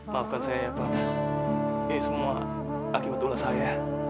maafkan saya ya pak ini semua akibat dola saya